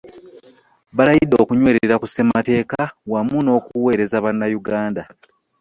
Balayidde okunywerera ku ssemateeka wamu n’okuweereza bannayuganda